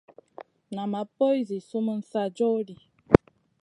Nan ma poy zi sumun sa joh ɗi.